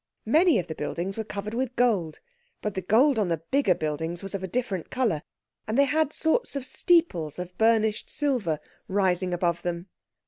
Many of the buildings were covered with gold, but the gold on the bigger buildings was of a different colour, and they had sorts of steeples of burnished silver rising above them.